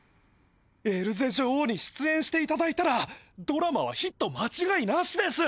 エルゼ女王にしゅつえんしていただいたらドラマはヒットまちがいなしです！